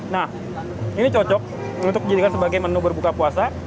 nah ini cocok untuk dijadikan sebagai menu berbuka puasa